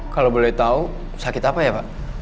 kalo boleh tau sakit apa ya pak